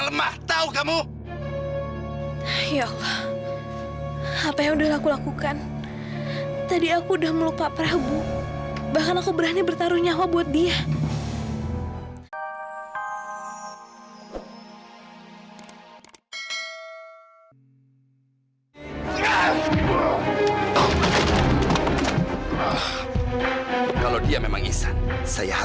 sampai jumpa di video selanjutnya